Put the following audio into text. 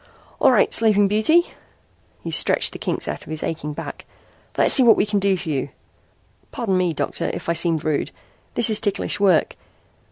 "All right, Sleeping Beauty." He stretched the kinks out of his aching back. "Let's see what we can do for you. Pardon me, Doctor, if I seemed rude. This is ticklish work.